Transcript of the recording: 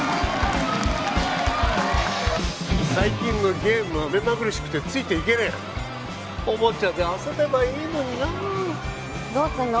最近のゲームは目まぐるしくてついていけねえやおもちゃで遊べばいいのになあどうすんの？